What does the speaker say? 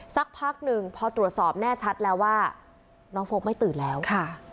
สักพักหนึ่งพอตรวจสอบแน่ชัดแล้วว่าน้องโฟลกไม่ตื่นแล้วค่ะ